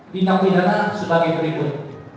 di tanggung jalan sebagai berikut